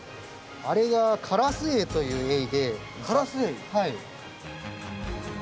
あれがカラスエイというエイで。